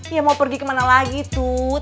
ya mau pergi kemana lagi tuh